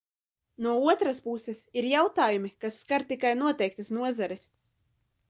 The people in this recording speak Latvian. No otras puses, ir jautājumi, kas skar tikai noteiktas nozares.